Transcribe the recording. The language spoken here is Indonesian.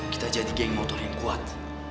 kita jadi geng motor yang kuat